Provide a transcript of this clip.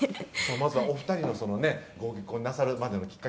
「まずはお二人のそのねご結婚なさるまでのきっかけからね